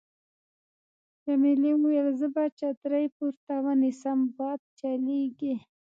جميلې وويل:: زه به چترۍ پورته ونیسم، باد چلېږي.